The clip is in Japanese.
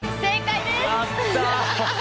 やった！